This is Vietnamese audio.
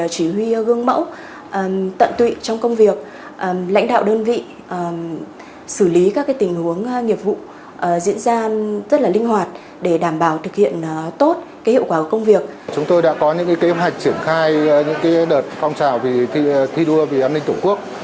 chúng tôi đã có những kế hoạch triển khai những đợt phong trào thi đua vì an ninh tổ quốc